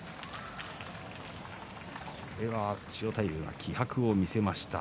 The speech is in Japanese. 千代大龍、気迫を見せました。